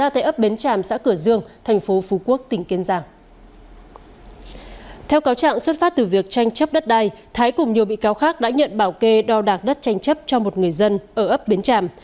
trong việc tranh chấp đất đai thái cùng nhiều bị cáo khác đã nhận bảo kê đo đạt đất tranh chấp cho một người dân ở ấp biến trạm